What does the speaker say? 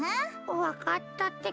わかったってか。